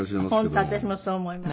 本当私もそう思います。